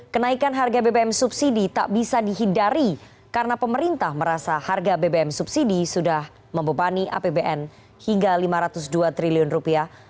kenaikan harga bbm subsidi tak bisa dihindari karena pemerintah merasa harga bbm subsidi sudah membebani apbn hingga lima ratus dua triliun rupiah